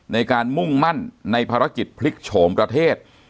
ในการมุ่งมั่นในภารกิจพลิกโฉมประเทศ